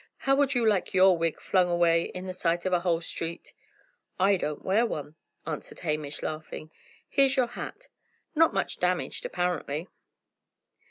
How would you like your wig flung away in the sight of a whole street?" "I don't wear one," answered Hamish, laughing. "Here's your hat; not much damaged, apparently."